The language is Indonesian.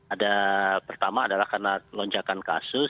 ada pertama adalah karena lonjakan kasus